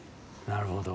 なるほど。